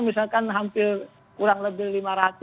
misalkan hampir kurang lebih